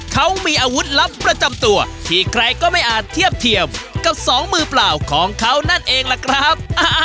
เขามีอาวุธลับประจำตัวที่ใครก็ไม่อาจเทียบเทียมกับสองมือเปล่าของเขานั่นเองล่ะครับ